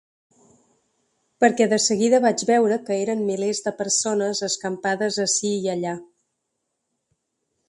Perquè de seguida vaig veure que eren milers de persones, escampades ací i allà.